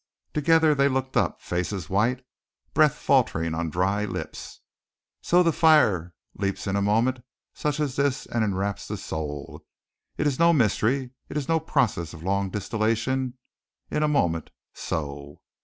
Together they looked up, faces white, breath faltering on dry lips. So the fire leaps in a moment such as this and enwraps the soul. It is no mystery, it is no process of long distillation. In a moment; so.